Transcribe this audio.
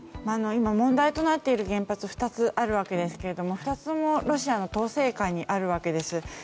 今、問題となっている原発が２つあるわけですが２つともロシアの統制下にあるわけです。